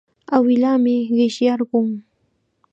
Awilaami qishyarqun.